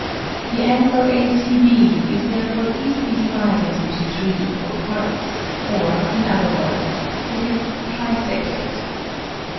The angle ACB is therefore easily divided A C B Fig. 4. into three equal parts, or in other words, it is trisected.